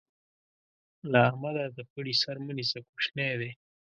له احمده د پړي سر مه نيسه؛ کوشنی دی.